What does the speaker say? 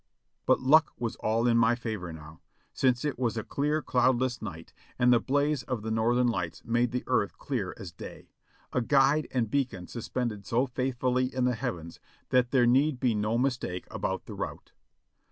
But luck was all in my favor now, smce it was a clear, cloudless night, and the blaze of the northern lights made the earth clear as day ; a guide and beacon suspended so faithfully in the heavens that there need be no mistake about the route.